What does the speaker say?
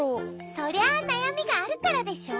そりゃあなやみがあるからでしょ？